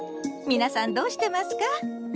皆さんどうしてますか？